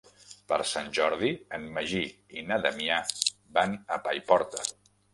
Per Sant Jordi en Magí i na Damià van a Paiporta.